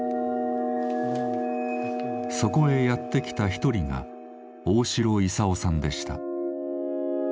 そこへやって来た一人が大城勲さんでした。